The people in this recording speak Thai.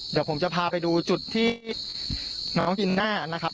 เดี๋ยวผมจะพาไปดูจุดที่น้องจีน่านะครับ